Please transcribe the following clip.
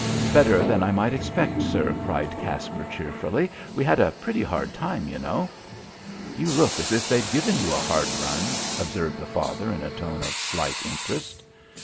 "Better than I might expect, sir," cried Caspar cheerfully. "We had a pretty hard time, you know." "You look as if they'd given you a hard run," observed the father in a tone of slight interest.